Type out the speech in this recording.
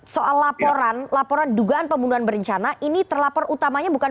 soal laporan laporan dugaan pembunuhan berencana ini terlapor utamanya bukan